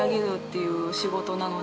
いう仕事なので。